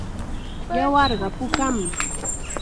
Yawarqa pukam.